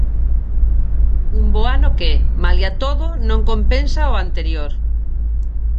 Un bo ano que, malia todo, non compensa o anterior.